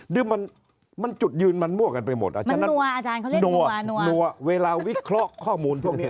นี่มันจุดยืนมันมั่วกันไปหมดอาจารย์เขาเรียกนัวเวลาวิเคราะห์ข้อมูลพวกนี้